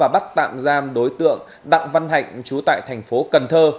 bắt tạm giam đối tượng đặng văn hạnh trú tại thành phố cần thơ